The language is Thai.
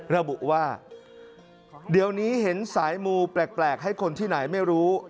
ระบุว่าเดี๋ยวนี้เห็นสายมูแปลกให้คนที่ไหนไม่รู้